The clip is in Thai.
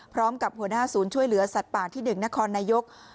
หัวหน้าศูนย์ช่วยเหลือสัตว์ป่าที่๑นครนายก